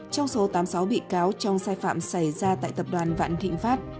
trong số tám mươi sáu bị cáo trong sai phạm xảy ra tại tập đoàn vạn thịnh pháp